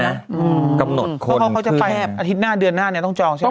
อืมกำหนดคนเขาจะไปแหละอาทิตย์หน้าเดือนหน้าเนี่ยต้องจองใช่ไหม